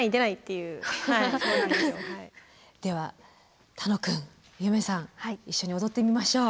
では楽くん夢さん一緒に踊ってみましょう。